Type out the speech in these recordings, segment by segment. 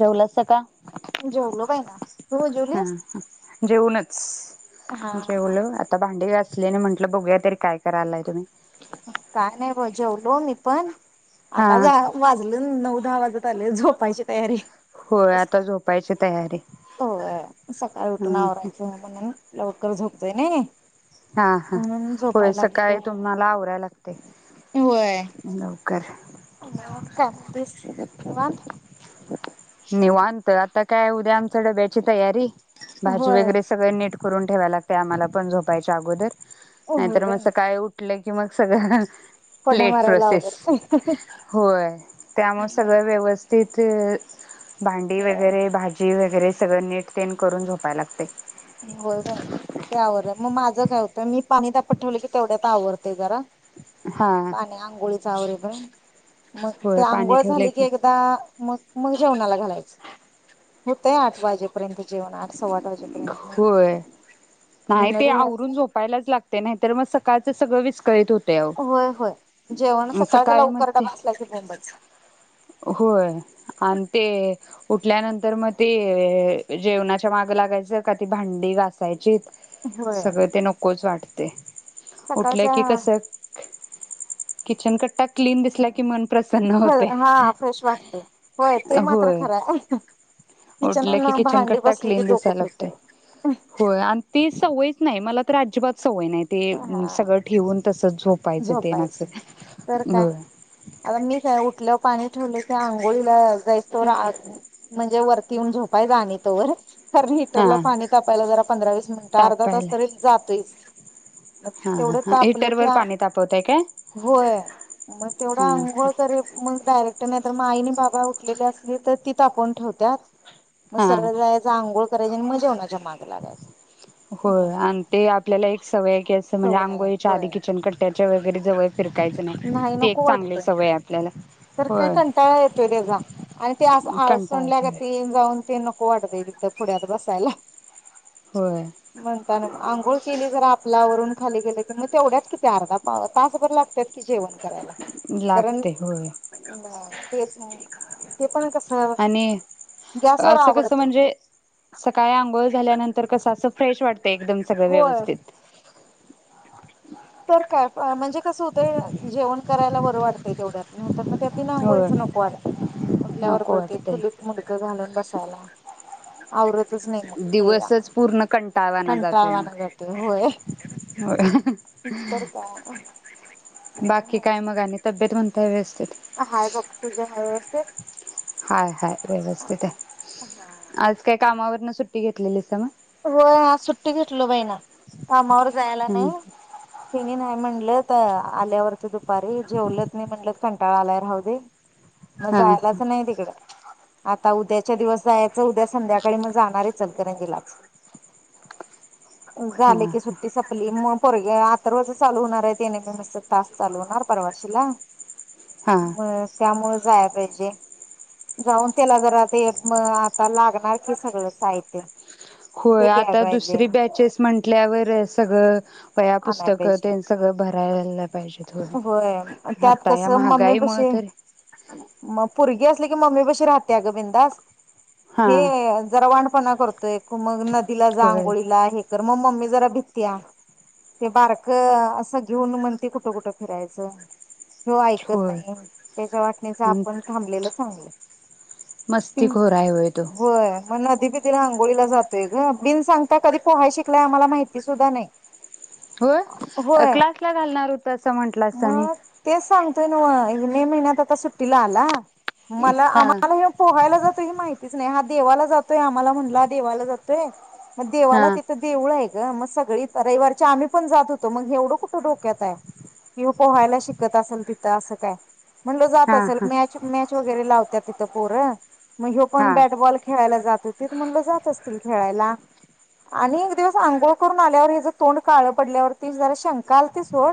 जेवलासा का? जेवलो बाई ना तू ह जेवलीस? जेवनूच हा जेवल आता भांडी घास सली आणि म्हटलं बघूया तरी काय करायलाय तुम्ही काय नाय हो जेवलो मी पण हा आता जा वाजलं नऊ दहा वाजत आले झोपायची तयारी होय आता झोपायची तयारी होय सकाळी उठून ह आवरायच म्हणून लव कर झोपतय नय हा हा होय सकाळी तुम्हाला आवरायला लाग ते होय लवकर [unintelligible] निवांत निवांत तर आता काय उद्या आमच्या डब्याची तयारी भाजी होय वगैरे सगळ नीट करून ठेवाय लागतय आम्हाला पण झोपायच्या अगोदर होय नाहीतर मग बाई ना सकाळी उटल की, की मग सगळं कोड्या लेट मारायला प्रोसेस अवघड होय. त्यामुळे सगळं व्यवस्थित ते भांडी होय वगैरे भाजी वगै घरी सगळं नीट तेन करून झोपाय लागतय. होय बाई ना ते आवरलं मग माझं काय होतं मी पाणी तापत ठेवलं की तेवढ्यात आवरतय जरा. हा बा नाही आंगोळीचं आवरे परेंत. मग ते होय पाणी आंघोळ ठेवलंय झाली की एकदा मग मग जेवणाला घालायचं होतय आठ वाजेपर्यंत जेवण आठ सव्वा आठ वाजेपर्यंत मग होय धुन नाही ते आवरून धुवायचं झोपायलाच लागते नाही तर मग सकाळचं सगळ विस्कळीत होत होय होय जेवण सकाळ सकाळी मग लवकर ते डबा असला की बोंबच होय आणि ते उठल्यानंतर मग ते जेवणाच्या माग लागायचं का ती भांडी घासायची होय सगळं ते नकोच वाट ते उठलं सकाळचा की कसं किचन कट्टा क्लीन दिसला की मन प्रसन्न होतय हा फ्रेश वाटते. होय ते मात्र होय खरं आहे उठलं की किचन भांडी कट्टा बसली की क्लीन डोकं दिसाय लागतोय. फिरतय. होय अन् ती सवयच नाही मला तर अजिबात सवय नाही ते हा सगळं ठेवून तसच झोपायचं तेन आसं. झोपायची तर काय आता मी काय उठलं पाणी ठेवले की आंघोळीला जयस्तवर आ म्हणजे वरती येऊन झोपायचं आणि तोवर कारण हिटरला हा पाणी तापायला जरा पंधरा वीस मिनिटं अर्धा तास तापायला तरी जातोयच. हा तेवढं हा तापलं की हिटरवर पाणी तापवताय काय? होय मग तेवढं हा आंघोळ करे मग डायरेक्ट [unintelligible] नाहीतर म आई नी बाबा उठलेले असली तर ती तापवून ठेवत्यात. मग हा सरळ जायचा आंघोळ करायची आणि म जेवणाच्या माग लागायचं. होय आणि ते [inaudible] म्हणजे सवय आहे अंघोळीच्या आधी होय किचन कट्याच्या वगैरे जवळ फिरकायच नाही ते एक नको चांगली वाटतंय सवय आपल्याला तर काय होय कंटाळा येतोय त्याचा आणि ते असं कंटाळा अलसुटल्यागं येतोय ते जाऊन ते न को वाटतय तिथं पुढ्यात बसायला. होय म्हणता ना म आंघोळ केली जर आप वरून खाली गेले क मग तेवढ्यात किती अर्धा तास बर लागत लागते होय तेच ते पण कसं आणि गॅसवर असं कसं आवडते म्हणजे सकाळी आंघोळ झाल्यानंतर कस असं फ्रेश वाटत एकदम सगळं होय व्यवस्थित. तर काय म्हणजे कसं होतंय जेवण करायला बरं वाटतंय तेवढ्यात. मग ते बीना होय आंगोळीच नको वाटतय उठल्यावर नको बर ते वाटतय. चुलीत मुंडकं घालून बस यला आवरत तसं नाही मग ते दिवसच पूर्ण कंटाळवाना जातोय मग. कंटाळवाणा जातंय होय. तर काय बाकी काय मग आणि [inaudible] तब्येत म्हणताय व्यवस्थित. हाय बघ तुझी हाय व्यवस्थित? हाय हाय व्यवस्थित आहे हा आज काय कामावर सुट्टी घेतलेलीस का मग? होय आज सुट्टी घेतल बहिना कामावर जायला हम्म नाही तिनी नाही म्हणलं आल्यावरती दुपारी जेवलत नाही म्हणलत कंटाळा आलाय राहु दे मग हा हा जायलाच नाही तिकडं आता उद्याच्या दिवस जायचं उद्या संध्याकाळी मग जाणार इचलकरंजीलाच झाले की सुट्टी संपली मग पोरग अथर्वच चालू होणार आहे ते एन एम एम एस च तास चालू होणार परवाशीला हा हा. म त्यामुळेच जाया पाहिजे जाऊन त्याला जरा ते आता लागणार की सगळं साहित्य ते होय घ्याय आता पाहिजे दुसरी बॅचेस आणाय म्हटल्यावरच सगळं वह्या पुस्तकं पाहिजे त्यन सगळं भरायला होय त्यात आता कस या मम्मी महागाईमुळे पाशी तर मग पोरगी क ममी पाशी राहतिया ग बिंधास्त हा हे जरा वाण पणा करतोय कु मग तिला जा होय आंगोळीला हे कर मग मम्मी जरा भितीया ते बारक अस घेऊन म्हणते कुठ कुठ फिरायच हो ऐकत होय नाही त्याच्या वाटणीच आपण थांबलेलं चांगलं मस्तिखोर आहे व्हय तो? ते अंघोळीला जातोय ग बिन सांगता कधी पोहाय शिकलाय आम्हाला माहिती सुद्धा नाही होय क्लासला घालणार होतासा? मग ते सांग ते न्हव मे महिन्यात आता सुट्टीला आला मला हा आम्हाला हे पोहायला जातो हे माहिती तिच नाही हा देवाला जातोय आम्हाला म्हटला देवाला जातोय म हा देवाला तिथं देऊळ हाय. ग मग सगळी रविवारच्या आम्ही पण जात होतो मग एवढं कुठं डोक्यात आहे. किंवा पोहायला शिकत असेल तिथं असं काय म्हणलं जात हा अस हा मॅच मॅच वगैरे लाव त्या तिथं पोरं मग ह्यो पण हा बॅटबॉल खेळायला जात त तेत म्हणलं जात असतील खेळायला आणि एक दिवस आंघोळ करून आल्यावर ह्याज तोंड काळ पडल्यावरती जरा शंका आलती ओ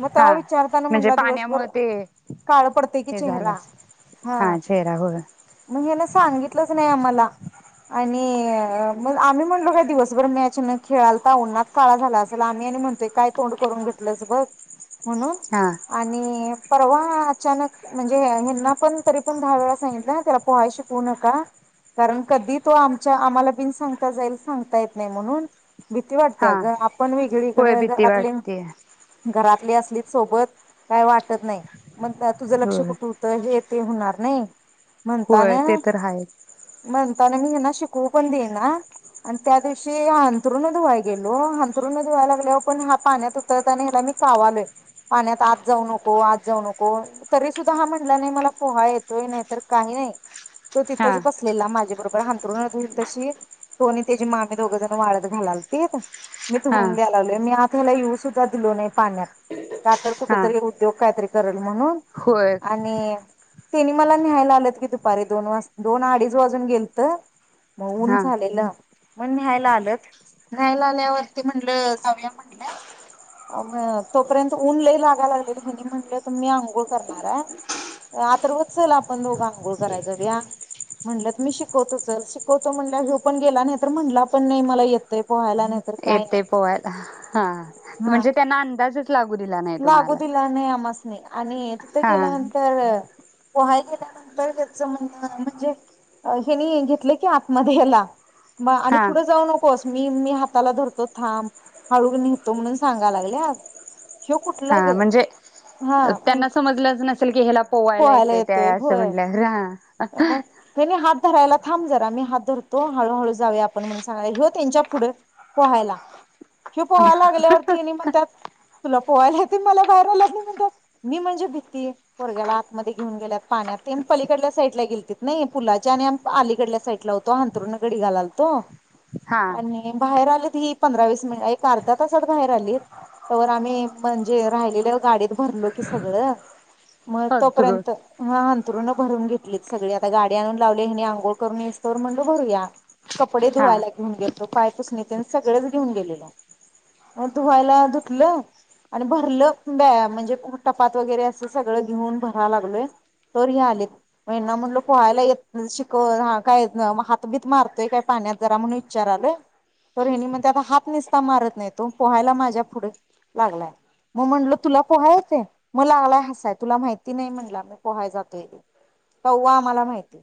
म तेव्हा हा विचारताना म्हणजे म्हटला दिवसभर पाण्यामुळे ते काळ पडतय की हे झालं चेहरा असेल. हा चेहरा होय मंग ह्यानं सांगितलंच नाही आम्हाला आणि मग आम्ही म्हणलो काय दिवसभर मॅच न खेळालता उन्हात काळा झाला असेल आम्ही आणि म्हणतोय काय तोंड करून घेतलंस बग म्हणून हा आणि परवा अचानक म्हणजे हेंना पण तरी पण दहा वेळा सांगितलं हा त्याला पोहाय शिकवू नका कारण कधी तो आमच्या आम्हाला बिन सांगता जाईल सांगता येत नाही. म्हणून भीती वाटत्या हा ग आपण वेगळीकड होय भीती घरातले वाटते घरातली असलीत सोबत काय वाटत नाही मग दा तुझं लक्ष होय कुठ होतं हे ते होणार नाही. म्हणता न होय ते तर आहेच म्हणता ह्यांना शिकवू पण देईना अन् त्यादिवशी अंथरुण धुवाय गेलो अंथरुण धुवाय लागल्यावर पण हा पाण्यात उतरताना ह्याला मी कावालोय पाण्यात आत जाऊ नको आत जाऊ नको तरी सुद्धा हा म्हणला नाही मला पोहा येतोय नाही तर काही नाही तो हा तिथंच बसलेला माझ्या बरोब हांतुरण धुईल तशी तो न त्याची मामी दोघजण वाळत घालालतीयक मी हा धूऊन घ्यायला लावल मी आत त्याला येऊ सुद्धा दिलो नाही. पाण्यात का तर कुठ हा तरी उद्योग काहीतरी करल म्हणून होय आणि त्यांनी मला न्याहायला आलेत की दुपारी दोन वाज दोन अडीच वाजून गेलत म ऊन हा झालेलं मग न्याहायला आलंत न्यायला आल्यावरती म्हणलं जाऊया म्हटलं अन तोपर्यंत ऊन लय लागाला लागलेल हेनी म्हटलं त मी आंघोळ करणार आहे अथर्व चल आपण दोघं आंघोळ कराय जाऊया म्हणलं तर मी शिकवतो चल शिकवतो म्हणल्यावर हो पण गेला नाही तर म्हणला पण नाही मला येतंय पोहायला ना येते पोवायला हा हा म्हणजे त्यांना आं [inaudible] लागू दिला नाही आमास्नी [inaudible] आणि तिथं हा गेल्यानंतर पोहाय गेल्यानंतर त्याच म्हण म्हणजे हेनी घेतले की आतमध्ये याला म आणि हा पुढं जाऊ नकोस. मी मी हाताला धरतो थांब हळू नेहतो म्हणून सांगा लागल्या. ह्यो कुठला हा ग म्हणजे हा त्यांना म्हणजे समजलंच नसेल की हेला पोवायला पोहायला येतय त्या येतोय असं होय म्हटल्या, रा मग त्यांनी हात धरायला थांब जरा, मी हात धरतो हळूहळू जाऊया आपण म्हणून सांगाय ह्यो तेंच्या पुढं पोहायला, ह्यो पोहाय लागल्यावरती हेनी म्हणत्यात तुला पोहायला येतंय? मला बाहेर आल्यात आणि म्हणत्यात, मी म्हणजे भीती पोरग्याला आतमध्ये घिऊन गेल्यात पाण्यात तेन पलीकडल्या साईटला गेलतीत नई पुलाच्या आणि आम अलीकडल्या साईटला होतो, हांंतरून घडी घालालतो. हा आणि बाहेर आलीत ही पंधरा वीस मिनिट एक अर्धा तासात बाहेर आलीत. तवर आम्ही म्हणजे राहिलेलं गाडीत भरलो की सगळं मग अंथरूण तोपर्यंत हं त्रून भरून घे लित सगळी आता गाडी आणून लावल्या हेनी अंघोळ करून यसतवर म्हणल भरूया कपडे हा धुवायला घेऊन गेलतो पायपुसणी तेन सगळंच घेऊन गेलेलो म धुवायला धुतलं आणि भरलं ब म्हणजे टपात वगैरे अस सगळं घेऊन भरायला लागलोय तर हे आलेत ह्यांना म्हणलो पोहायला येत शिकव काय हातभीत मारतोय काय पाण्यात जरा म्हणून विचाराआलोय तर हेणी म्हणत्यात हात निसता मारत नाही तो पोहायला माझ्या पुढ लागलाय मग म्हणल तुला पोहाय येतेय मग लागलाय हसाय तुला माहिती नाही म्हणला मी पोहाय जातोय ते तवा आम्हाला माहिती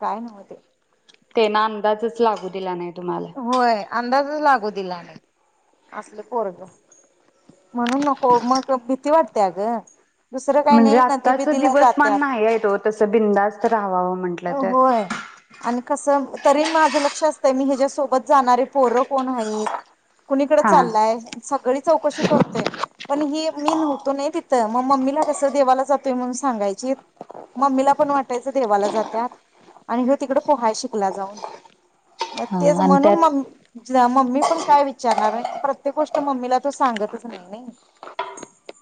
काय नव्ह ते तेना अंदाजच लागू दिला नाही तुम्हाला [inaudible] होय अंदाजच लागू दिला नाही असल पोरग म्हणून नको मग भीती वाटते अ ग म्हणजे आत्ताच दिवसमान नाही आहेत ओ तसं बिंदास्त राहावावं म्हंटलं तर होय आणि कसं तरी माझं लक्ष असतय मी हे जा सोबत जाणारी पोरं कोण हाईत कुणीकडं हा चाललाय सग सगळी चौकशी करतोय पण ही मी नव्हतो नाही तिथं मग मम्मीला कसं देवाला जातोय म्हणून सांगायचीत मम्मीला पण वाटायचं देवाला जात्यात आणि हे तिकड पोहाय शिकला जाऊन मग हा तेच आणि म्हणून मम त्यात मम्मी पण काय विचारणार हाय प्रत्येक गोष्ट मम्मीला तो सांगतच नाही नाही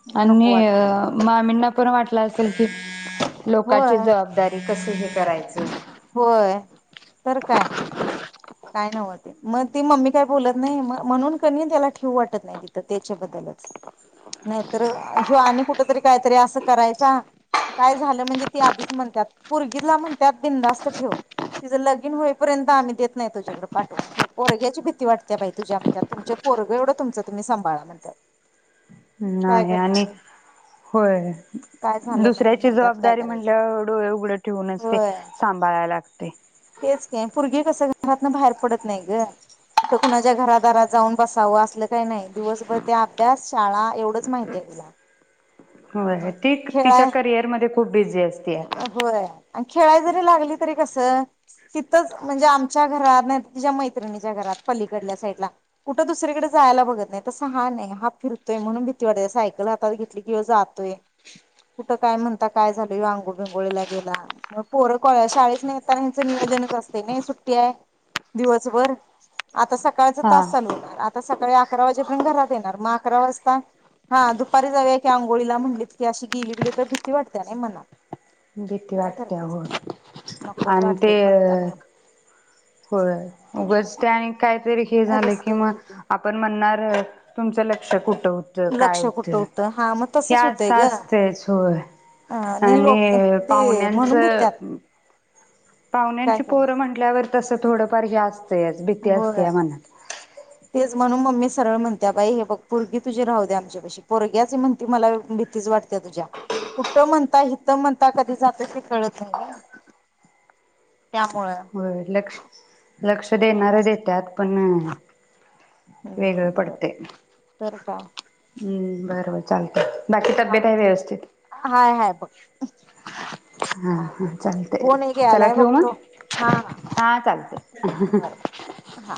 मग नको आणि वाटतं मामींना पण वाटलं असेल की [unintelligible] लोकांची होय जबाबदारी [unintelligible] कस हे करायचं [inaudible] होय तर काय काय नव्ह ते मग ती मम्मी काय बोलत नाही म्हणून कनी त्याला ठेवू वाटत नाही तिथं त्याच्याबद्दलच नाही तर ह्यो आणि कुठ तरी काहीतरी असं करायचा काय झालं म्हणजे ते आधीच म्हणत्यात पोरगीला म्हणत्यात बिंदास्त ठेव तिचं लगिन होईपर्यंत आम्ही देत नाही तुझ्याकडे पाठवून खरं पोरग्याची भीती वाटत्या बाई तुझ्या म्हणत्यात तुमच पोरगं एवढं तुमचं तुम्ही संभाळा म्हणत्या काय नाही करणार आणि [unintelligible] काय झालं म्हणजे दुसऱ्याची म्हणत्यात काय जबाबदारी करायचं म्हणल्यावर डोळ उघड ठेवूनच ते होय सांभाळायला लागतंय तेच की पोरगी कस घरातन बाहेर पडत नाई ग कुठ कुणाच्या घरादारात जाऊन बसावं असलं काही नाई दिवसभर त्या अभ्यास, शाळा एवढंच माहिती आहे तिला. ती तिच्या खेळाय करिअरमध्ये खूप बीजी असते होय आणि खेळाय जरी लागली तरी कसं तिथंच म्हणजे आमच्या घरात नाही तिच्या मैत्रिणीच्या घरात पलीकडल्या साईडला कुठं दुसरीकडे जायला बघत नाही तसं हा नाही हा फिरतोय म्हणून भीती वाटया सायकल हातात घेतली की ह्यो जातोय कुठं काय म्हणता काय झालय ह्यो अंगोल आंघोळीला गेला म पोर कॉ शाळेेतन येतानाच नियोजनच असतय नाही सुट्टी आहे दिवसभर आता सकाळच हा. तास चालू होणार सकाळी अकरा वाजेपर्यंत घरात येणार म अकरा वाजता हा दुपारी जाऊया की अंघोळीला म्हणलीत की अशी गेली बेली तर भीती वाटते नाही मनात भीती काय वाटत्या करतेस होय नकोच आणि ते वाटते अ म्हणताना होय उगज त्या आणि काहीतरी हे झाल की रिस्क म घ्यायची आपण म्हणणार तुमचं लक्ष खूप होत काय लक्ष होत कुठं होतं हा मग हे तसच होतंय असं ग असतय होय लोक आणि ते पाहुण्यांच म्हणून भित्यात काय पाहुण्यांची पोरं करायचं म्हटल्यावरती तसं थोडंफार हे असत भीती असते या होय मनात तेच म्हणून मम्मी सरळ म्हणत्या बाई हे ब पुरगी तुझी राहू द्या आमच्या पशी पोरग्याच म्हणती मला भीतीच वाटते्या तुझ्या कुठं म्हणता हित म्हणता कधी जात ते कळत नाही ना त्यामुळ लक्ष लक्ष देणार देतत पण वेगळं हम्म बरं पडते तर का मग हम् बर बर चाल हा हाय हाय बघ हा चालत हा फोन हे ऐक चालतंय चला आलाय ठेवू बघतो मग हा हा. हा चालत बरोबर हा